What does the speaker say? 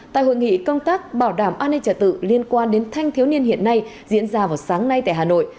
tại hội nghị công tác bảo đảm an ninh trả tự liên quan đến thanh thiếu niên hiện nay diễn ra vào sáng nay tại hà nội